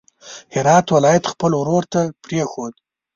هرات ولایت خپل ورور ته پرېښود.